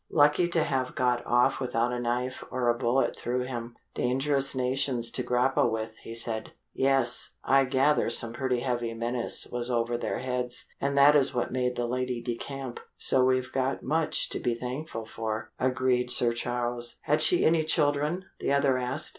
"Lucky to have got off without a knife or a bullet through him dangerous nations to grapple with," he said. "Yes I gather some pretty heavy menace was over their heads, and that is what made the lady decamp, so we've much to be thankful for," agreed Sir Charles. "Had she any children?" the other asked.